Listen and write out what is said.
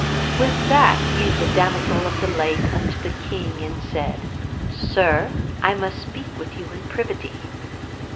With that came the Damosel of the Lake unto the king, and said, Sir, I must speak with you in privity.